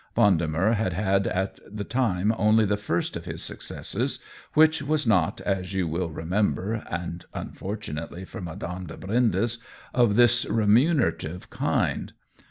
Vendemer had had at that time only the first of his successes, which was not, as you will remember — and unfortunately for Madame de Brindes — of this remunerative kind.